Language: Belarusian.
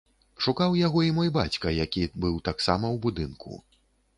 Шукаў яго і мой бацька, які быў таксама ў будынку.